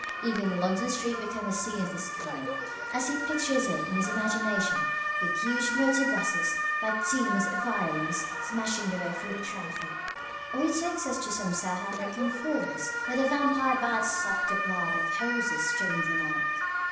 Even a London street becomes a scene of this kind as he pictures it in his imagination with huge motorbuses, like demons of violence, smashing their way through the traffic. Or he takes us to some South American forest, where the vampire bats suck the blood of horses during the night.